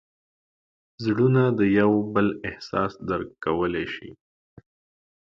زړونه د یو بل احساس درک کولی شي.